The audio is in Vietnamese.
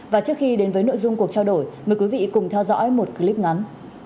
và trước khi đến với nội dung cuộc trao đổi mời quý vị cùng theo dõi một clip ngắn